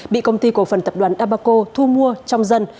bị công ty cổ phần tập đoàn đa bà cô thu mua trong dân